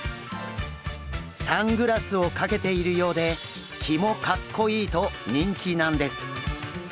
サングラスをかけているようでキモカッコイイと人気なんです。